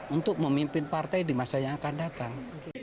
untuk memimpin partai di masa yang akan datang